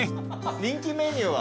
人気メニューは？